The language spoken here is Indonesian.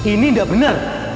ini nggak bener